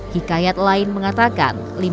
hikayat lain mengatakan